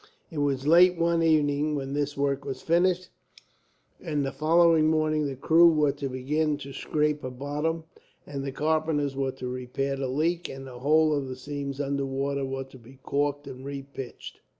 It was late one evening when this work was finished, and the following morning the crew were to begin to scrape her bottom, and the carpenters were to repair the leak, and the whole of the seams underwater were to be corked and repitched.